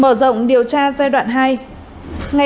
mở rộng điều tra giai đoạn hai